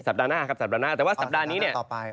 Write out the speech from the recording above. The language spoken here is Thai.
สัปดาห์หน้าครับแต่ว่าสัปดาห์นี้เนี่ย